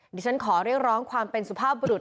ดิฉันขอเรียกร้องความเป็นสุภาพบรุษ